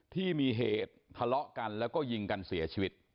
ที่มีเหตุทะเลาะกันแล้วก็ยิงกันเสียชีวิต